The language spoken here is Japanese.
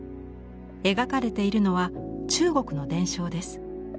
描かれているのは中国の伝承です。